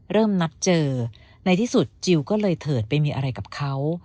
เริ่มนัดเจอในที่สุดจิลก็เลยเถิดไปมีอะไรกับเขา